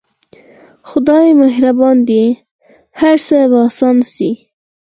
خداى مهربان دى هر څه به اسانه سي.